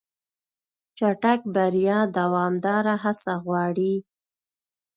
چټک بریا دوامداره هڅه غواړي.